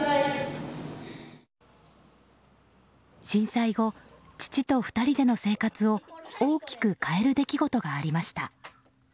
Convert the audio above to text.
震災後、父と２人での生活を大きく変える出来事がありました。